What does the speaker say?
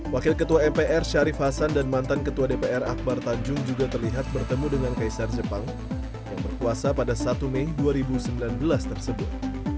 wakil ketua mpr syarif hasan dan mantan ketua dpr akbar tanjung juga terlihat bertemu dengan kaisar jepang yang berkuasa pada satu mei dua ribu sembilan belas tersebut